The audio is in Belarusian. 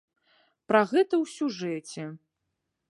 Пра гэта ў сюжэце.